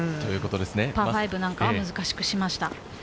パー５なんかは難しくしました。